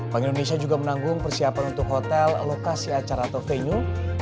bank indonesia juga menanggung persiapan untuk hotel lokasi acara atau venue